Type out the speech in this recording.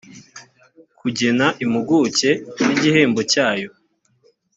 kugena impuguke n igihembo cyayo